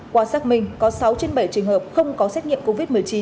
qua xác minh có sáu trên bảy trường hợp không có xét nghiệm covid một mươi chín